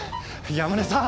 山根さん！